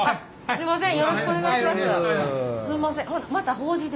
すいません。